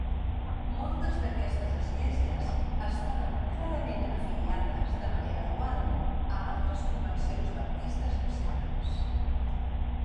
Moltes d'aquestes esglésies estaven clarament afiliades de manera dual a altres convencions baptistes nacionals.